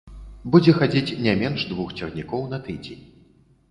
Будзе хадзіць не менш двух цягнікоў на тыдзень.